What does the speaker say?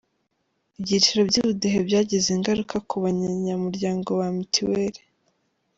Ibyiciro by’ubudehe byagize ingaruka ku banyamuryango ba mituweli.